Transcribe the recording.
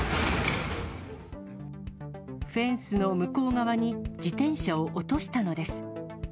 フェンスの向こう側に、自転車を落としたのです。